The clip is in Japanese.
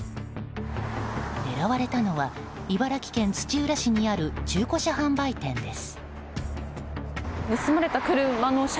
狙われたのは茨城県土浦市にある中古車販売店です。